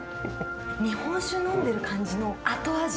日本酒飲んでる感じの後味。